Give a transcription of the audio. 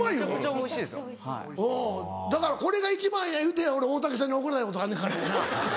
おうだから「これが一番や」言うて俺大竹さんに怒られたことあんねんからやな。